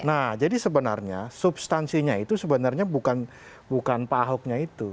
nah jadi sebenarnya substansinya itu sebenarnya bukan pak ahoknya itu